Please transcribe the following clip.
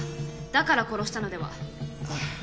だから殺したのでは？